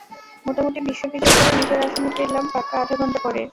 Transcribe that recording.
মোটামুটি বিশ্ব বিজয় করে নিজের আসনে ফিরলাম পাক্কা আধা ঘণ্টা পরে।